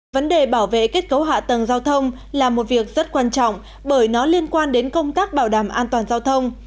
vấn đề bảo vệ kết cấu hạ tầng giao thông là một việc rất quan trọng bởi nó liên quan đến công tác bảo đảm an toàn giao thông